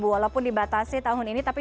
walaupun dibatasi tahun ini